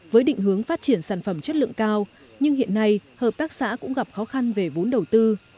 với định hướng phát triển sản phẩm chất lượng cao nhưng hiện nay hợp tác xã cũng gặp khó khăn về vốn đầu tư